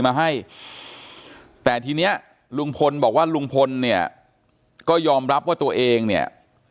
มาให้แต่ทีเนี้ยลุงพลบอกว่าลุงพลเนี่ยก็ยอมรับว่าตัวเองเนี่ย